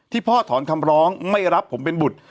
พ่อถอนคำร้องไม่รับผมเป็นบุตร